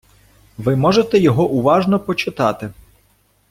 Ви можете його уважно почитати.